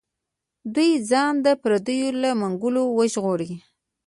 دوی ځان د پردیو له منګولو وژغوري.